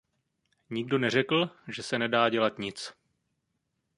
Nikdo neřekl, že se nedá dělat nic.